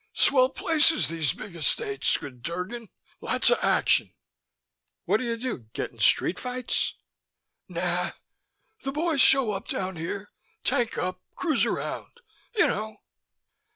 "Swell places, these big Estates, good Drgon; lotsa action." "What do you do, get in street fights?" "Nah. The boys show up down here, tank up, cruise around, you know."